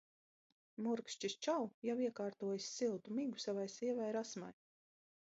Murkšķis Čau jau iekārtojis siltu migu savai sievai Rasmai.